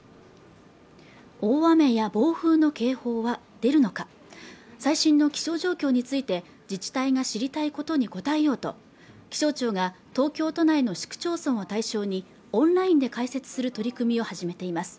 大雨や暴風の警報は出るのか最新の気象状況について自治体が知りたいことに答えようと気象庁が東京都内の市区町村を対象にオンラインで解説する取り組みを始めています